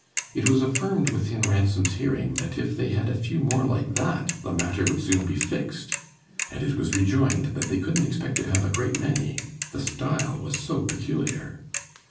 It was affirmed within Ransom's hearing that if they had a few more like that the matter would soon be fixed; and it was rejoined that they couldn't expect to have a great many the style was so peculiar.